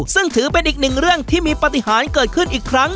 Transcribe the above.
ซึ่งถือเป็นอีกหนึ่งเรื่องที่มีปฏิหารเกิดขึ้นอีกครั้ง